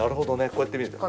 こうやって見えてる。